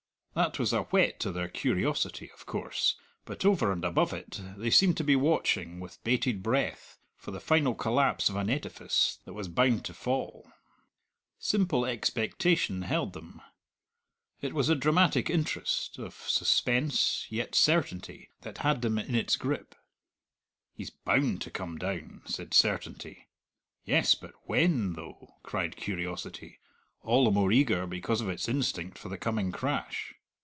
That was a whet to their curiosity, of course; but, over and above it, they seemed to be watching, with bated breath, for the final collapse of an edifice that was bound to fall. Simple expectation held them. It was a dramatic interest of suspense, yet certainty that had them in its grip. "He's bound to come down," said Certainty. "Yes; but when, though?" cried Curiosity, all the more eager because of its instinct for the coming crash.